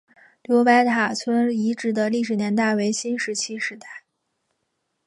刘白塔村遗址的历史年代为新石器时代。